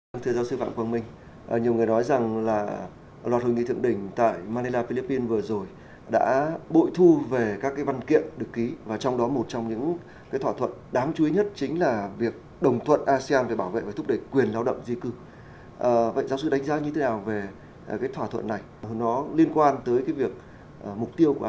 mục tiêu của asean là lấy người dân làm trung tâm